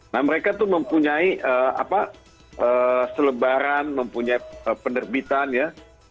nah mereka tuh mempunyai apa selebaran mempunyai penerbitan ya